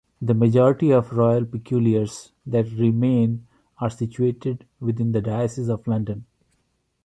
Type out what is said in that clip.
The majority of Royal Peculiars that remain are situated within the Diocese of London.